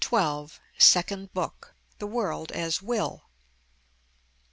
(26) SECOND BOOK. THE WORLD AS WILL.